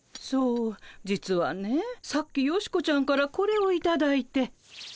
そう実はねさっきヨシコちゃんからこれをいただいて。